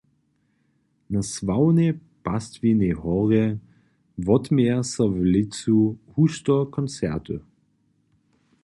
Na sławnej Pastwinej horje wotměja so w lěću husto koncerty.